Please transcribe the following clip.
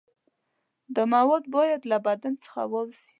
دا مواد باید له بدن څخه ووځي.